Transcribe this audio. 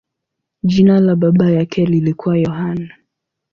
Jina la baba yake lilikuwa Yohane.